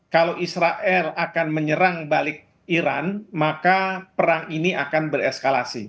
kalau israel akan menyerang balik iran maka perang ini akan bereskalasi